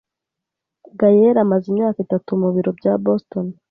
Gayele amaze imyaka itatu mu biro bya Boston.